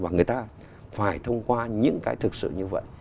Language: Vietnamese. và người ta phải thông qua những cái thực sự như vậy